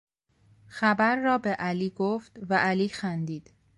خبر را به علی گفت و علی خندید.